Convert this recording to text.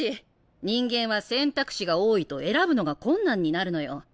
人間は選択肢が多いと選ぶのが困難になるのよ。